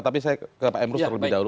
tapi saya ke pak emrus terlebih dahulu